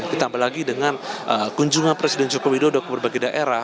ditambah lagi dengan kunjungan presiden joko widodo ke berbagai daerah